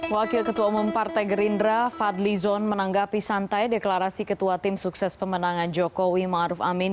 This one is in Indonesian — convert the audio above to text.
wakil ketua umum partai gerindra fadli zon menanggapi santai deklarasi ketua tim sukses pemenangan jokowi ⁇ maruf ⁇ amin